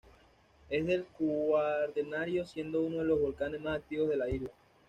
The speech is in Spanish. Es del Cuaternario, siendo uno de los volcanes más activos de la isla.